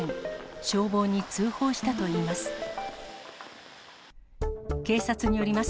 消防に通報したといいます。